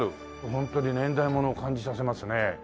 本当に年代物を感じさせますね。